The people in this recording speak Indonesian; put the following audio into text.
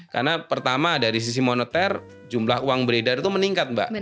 karena pertama dari sisi moneter jumlah uang beredar itu meningkat mbak